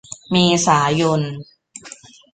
เมษายน